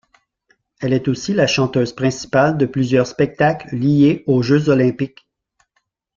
Elle est aussi la chanteuse principale de plusieurs spectacles liés aux Jeux olympiques.